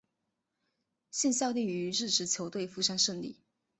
现效力于日职球队富山胜利。